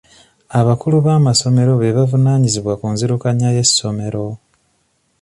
Abakulu b'amasomero be bavunaanyizibwa ku nzirukanya y'essomero.